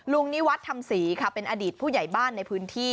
นิวัฒน์ธรรมศรีค่ะเป็นอดีตผู้ใหญ่บ้านในพื้นที่